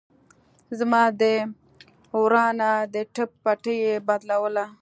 زما د ورانه د ټپ پټۍ يې بدلوله.